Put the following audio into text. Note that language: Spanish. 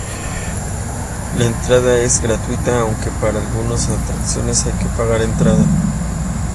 La entrada es gratuita, aunque para algunas atracciones hay que pagar entrada.